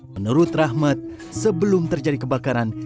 menurut rahmat sebelum terjadi kebakaran